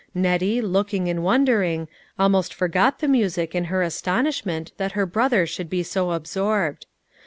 Nettie, looking, and wondering, almost forgot the music in her astonishment that her brother should be so absorbed.